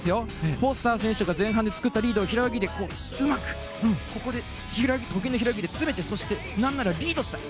フォスター選手が前半で作ったリードを平泳ぎでうまくここで得意の平泳ぎで詰めてそして、なんならリードしたい。